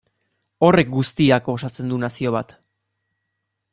Horrek guztiak osatzen du nazio bat.